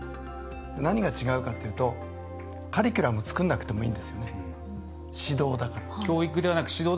何が違うかというとカリキュラム、作らなくてもいいんですよね、指導だから。